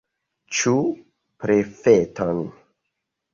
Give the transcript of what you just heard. Ĉu profeton?